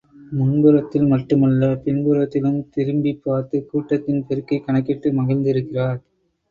முன்புறத்தில் மட்டுமல்ல பின்புறத்திலும் திரும்பிப்பார்த்து கூட்டத்தின் பெருக்கைக் கணக்கிட்டு மகிழ்ந்திருக்கிறார்.